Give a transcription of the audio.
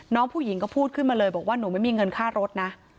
น้องผู้หญิงก็พูดขึ้นมาเลยบอกว่าหนูไม่มีเงินค่ารถนะ